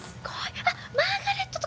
あっ「マーガレット」とかもある！